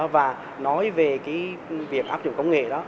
và nói về việc áp dụng công nghệ đó